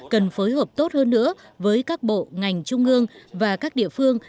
cần phối hợp tốt hơn nữa với các bộ ngành trung ương và các địa phương